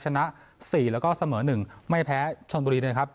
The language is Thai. ชนะ๔แล้วก็เสมอ๑ไม่แพ้ชนบุรีนะครับ